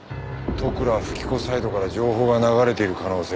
利倉富貴子サイドから情報が流れている可能性がある。